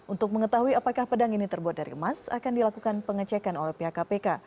untuk mengetahui apakah pedang ini terbuat dari emas akan dilakukan pengecekan oleh pihak kpk